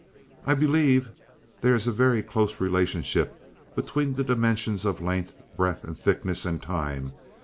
"I believe there is a very close relationship between the dimensions of length, breadth, and thickness, and time.